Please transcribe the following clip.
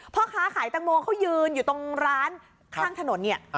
พ่อค้าขายตังโมเขายืนอยู่ตรงร้านข้างถนนเนี่ย